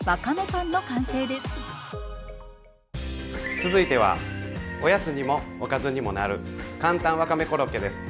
続いてはおやつにもおかずにもなるかんたんわかめコロッケです。